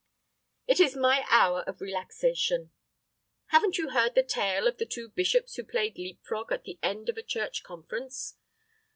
"It is my hour of relaxation. Haven't you heard the tale of the two bishops who played leap frog at the end of a church conference.